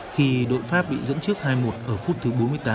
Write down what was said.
khi đội pháp bị dẫn trước hai một ở phút thứ bốn mươi tám